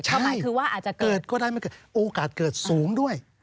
ใช่เกิดก็ได้โอกาสเกิดสูงด้วย